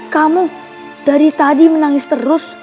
kamu dari tadi menangis terus